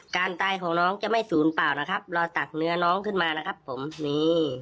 การตายของน้องจะไม่ศูนย์เปล่านะครับรอตักเนื้อน้องขึ้นมานะครับผมนี่